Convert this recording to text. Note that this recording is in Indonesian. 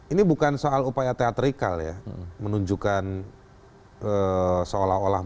ini bukan soal upaya teatrical ya menunjukkan seolah olah mau berlebihan